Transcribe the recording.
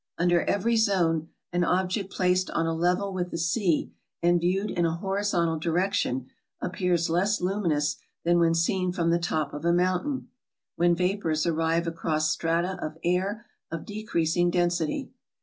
Under every zone, an object placed on a level with the sea, and viewed in a horizontal direction, appears less luminous than when seen from the top of a mountain, when vapors arrive across strata of air of decreas ing density.